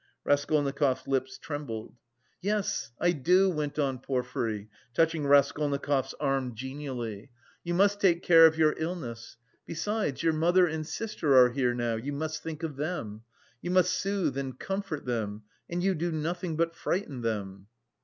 Raskolnikov's lips trembled. "Yes, I do," went on Porfiry, touching Raskolnikov's arm genially, "you must take care of your illness. Besides, your mother and sister are here now; you must think of them. You must soothe and comfort them and you do nothing but frighten them..."